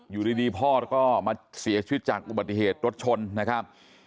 อยู่ดีพ่อก็มาเสียชีวิตจากอุบัติเหตุรถชนนะครับ